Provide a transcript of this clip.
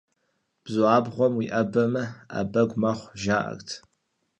Бзу абгъуэм уиӏэбэмэ, ӏэ бэгу мэхъу, жаӏэрт.